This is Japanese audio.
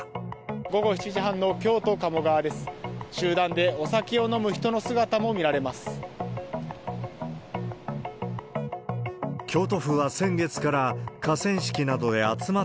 午後７時半の京都・鴨川です。